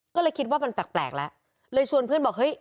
ก็เลยคิดว่ามันแปลกแล้วเลยชวนเพื่อนบอกเฮ้ย